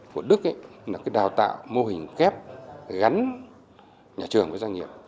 của đức là đào tạo mô hình kép gắn nhà trường với doanh nghiệp